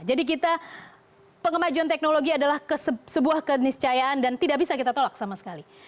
jadi kita pengemajuan teknologi adalah sebuah keniscayaan dan tidak bisa kita tolak sama sekali